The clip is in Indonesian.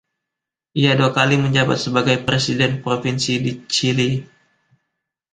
Ia dua kali menjabat sebagai presiden provinsi di Chile.